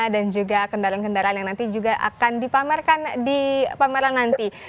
dan juga kendaraan kendaraan yang nanti juga akan dipamerkan di pameran nanti